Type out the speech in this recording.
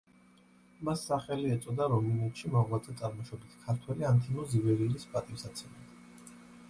მას სახელი ეწოდა რუმინეთში მოღვაწე წარმოშობით ქართველი ანთიმოზ ივერიელის პატივსაცემად.